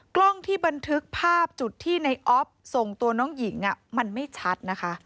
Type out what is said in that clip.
กล้องที่บันทึกภาพจุดที่ในออฟส่งตัวน้องหญิงมันไม่ชัดนะคะ